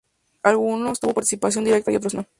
Algunos tuvo participación directa y otros no.